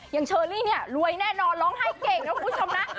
เชอรี่เนี่ยรวยแน่นอนร้องไห้เก่งนะคุณผู้ชมนะ